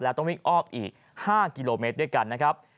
แล้วต้องวิ่งอ้อมอีก๕กิโลเมตรด้วยกันนะครับ